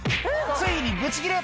ついにブチギレ！